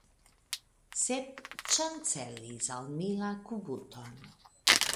Sep ŝancelis al mi la kubuton.